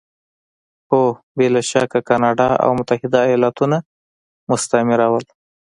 هو! بې له شکه کاناډا او متحده ایالتونه مستعمره وو.